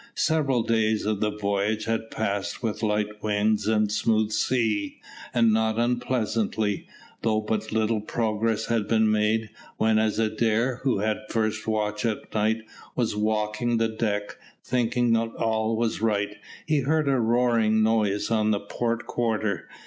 Several days of the voyage had passed with light winds and smooth sea, and not unpleasantly, though but little progress had been made, when as Adair, who had the first watch at night, was walking the deck, thinking that all was right, he heard a roaring noise on the port quarter.